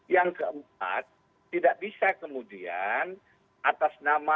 yang keempat tidak bisa kemudian atas nama